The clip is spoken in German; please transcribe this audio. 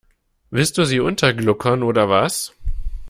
Willst du sie untergluckern oder was?